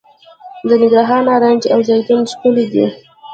د ننګرهار نارنج او زیتون ښکلي دي.